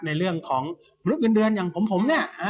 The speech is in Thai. ในเรื่องของลูกเงินเดือนอย่างผม